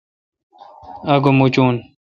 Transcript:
آگو مچون۔